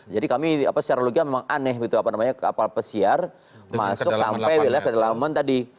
jadi kami secara logika memang aneh gitu apa namanya kapal pesiar masuk sampai ke kedalaman tadi